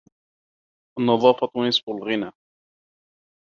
النظافة نصف الغنى.